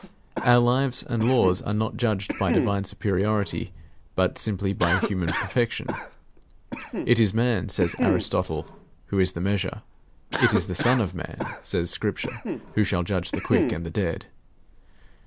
Our lives and laws are not judged by divine superiority, but simply by human perfection. It is man, says Aristotle, who is the measure. It is the Son of Man, says Scripture, who shall judge the quick and the dead.